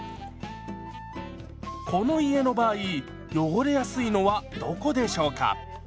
この家の場合汚れやすいのはどこでしょうか？